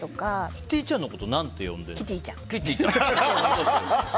キティちゃんのこと何て呼んでいるんですか？